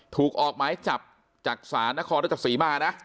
ถูกออกหมายจับจากศาลนครรัชศรีมานะ